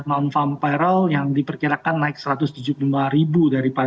non farm payroll yang diperkirakan naik satu ratus tujuh puluh dua ribu